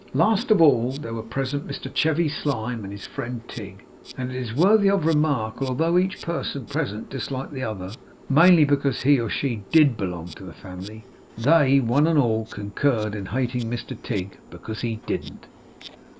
Last of all there were present Mr Chevy Slyme and his friend Tigg. And it is worthy of remark, that although each person present disliked the other, mainly because he or she DID belong to the family, they one and all concurred in hating Mr Tigg because he didn't.